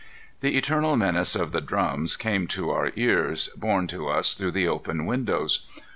The eternal menace of the drums came to our ears, borne to us through the open windows.